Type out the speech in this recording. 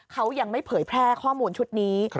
เขายังไม่เผยแพร่ข้อมูลชุดนี้